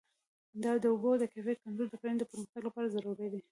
د اوبو د کیفیت کنټرول د کرنې د پرمختګ لپاره ضروري دی.